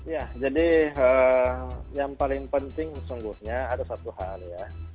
ya jadi yang paling penting sesungguhnya ada satu hal ya